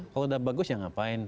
kalau udah bagus ya ngapain